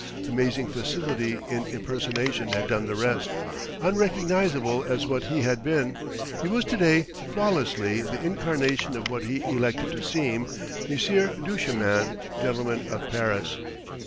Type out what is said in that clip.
Amazing facility in impersonation had done the rest; unrecognisable as what he had been, he was to day flawlessly the incarnation of what he elected to seem Monsieur Duchemin, gentleman, of Paris.